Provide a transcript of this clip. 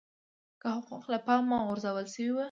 که حقوق له پامه غورځول شوي وي.